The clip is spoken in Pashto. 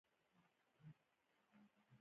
جنګ د تاریخ په اوږدو کې ډېرې قربانۍ اخیستې دي.